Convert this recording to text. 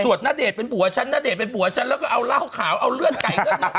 ณเดชน์เป็นผัวฉันณเดชนเป็นผัวฉันแล้วก็เอาเหล้าขาวเอาเลื่อนไก่ขึ้นมา